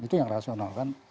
itu yang rasional kan